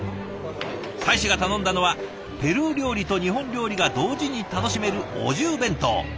大使が頼んだのはペルー料理と日本料理が同時に楽しめるお重弁当。